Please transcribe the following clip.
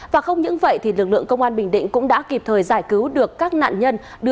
và không những vậy lực lượng công an bình định cũng đã kịp thời giải cứu được các nạn nhân